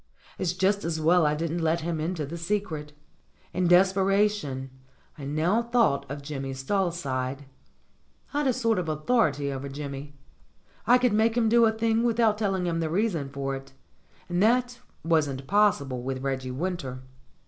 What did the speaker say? It's just as well I didn't let him into the secret. In des peration I now thought of Jimmy Stalside. I'd a sort of authority over Jimmy. I could make him do a thing without telling him the reason for it, and that wasn't possible with Reggie \Vinter.